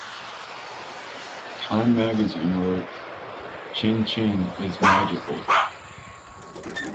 "Time Magazine" wrote: "Tchin-Tchin is magical.